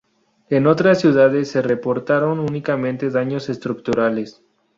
En otras ciudades se reportaron únicamente daños estructurales.